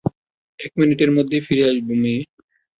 এক মিনিটের মধ্যেই ফিরে আসব, মেয়ে।